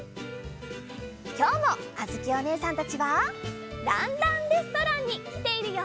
きょうもあづきおねえさんたちは「ランランレストラン」にきているよ！